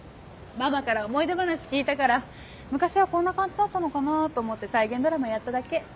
ママから思い出話聞いたから昔はこんな感じだったのかなと思って再現ドラマやっただけ。